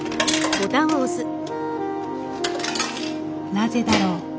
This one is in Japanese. なぜだろう？